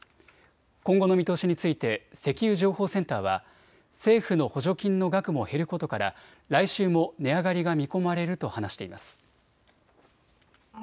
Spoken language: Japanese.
今後の見通しについて石油情報センターは政府の補助金の額も減ることから来週も値上がりが見込まれると話しています。